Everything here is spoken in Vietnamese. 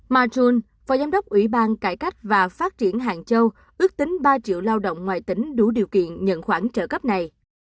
mahone phó giám đốc ủy ban cải cách và phát triển hàng châu ước tính ba triệu lao động ngoài tỉnh đủ điều kiện nhận khoản trợ cấp này